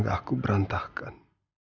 kalau kan kita bisa berdokter